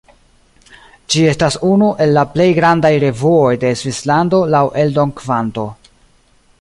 Ĝi estas unu el la plej grandaj revuoj de Svislando laŭ eldonkvanto.